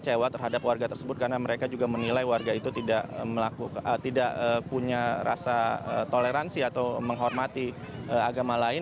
ya karena mereka juga menilai warga itu tidak punya rasa toleransi atau menghormati agama lain